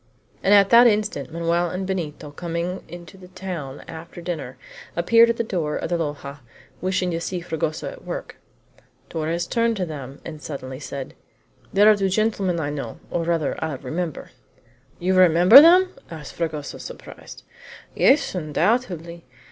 And at that instant Manoel and Benito, coming into the town after dinner, appeared at the door of the loja, wishing to see Fragoso at work. Torres turned toward them and suddenly said: "There are two gentlemen I know or rather I remember." "You remember them!" asked Fragoso, surprised. "Yes, undoubtedly!